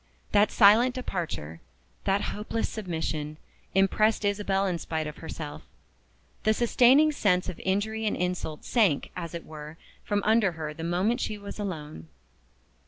That silent departure, that hopeless submission, impressed Isabel in spite of herself. The sustaining sense of injury and insult sank, as it were, from under her the moment she was alone.